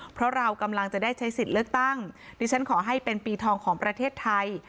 เพราะเรากำลังจะได้ใช้สิทธิ์เลือกตั้งดิฉันขอให้เป็นปีทองของประเทศไทย